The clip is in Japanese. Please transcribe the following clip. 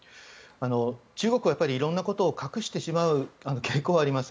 中国は、いろんなことを隠してしまう傾向があります。